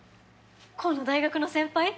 煌の大学の先輩？